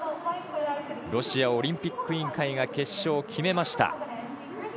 ロシアオリンピック委員会決勝を決めました。